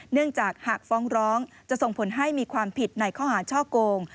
เนื่องจากหากฟ้องร้องจะส่งผลให้มีความผิดในข้อหาช่อโกง